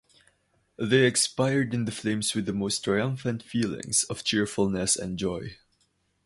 They expired in the flames with the most triumphant feelings of cheerfulness and joy.